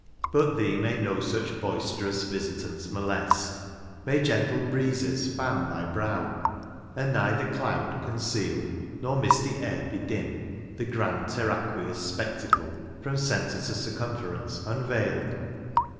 But thee may no such boisterous visitants Molest ; may gentle breezes fan thy brow ; And neither cloud conceal, nor misty air Bedim, the grand terraqueous spectacle, From centre to circumference, unveiled